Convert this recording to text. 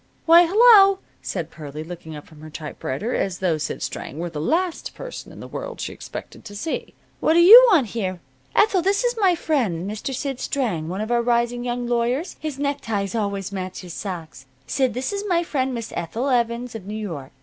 "Why, hello!" said Pearlie, looking up from her typewriter as though Sid Strang were the last person in the world she expected to see. "What do you want here? Ethel, this is my friend, Mr. Sid Strang, one of our rising young lawyers. His neckties always match his socks. Sid, this is my friend, Miss Ethel Evans, of New York.